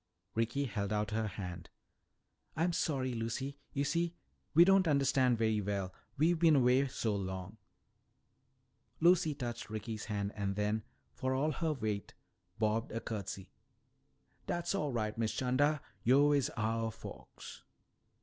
Ricky held out her hand. "I'm sorry, Lucy. You see, we don't understand very well, we've been away so long." Lucy touched Ricky's hand and then, for all her weight, bobbed a curtsy. "Dat's all right, Miss 'Chanda, yo' is ouah folks."